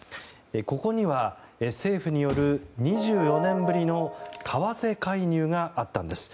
ここには、政府による２４年ぶりの為替介入があったんです。